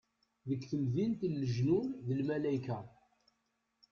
Deg temdint n lejnun d lmalayka.